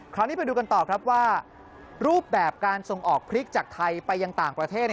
คราวนี้ไปดูกันต่อครับว่ารูปแบบการส่งออกพริกจากไทยไปยังต่างประเทศ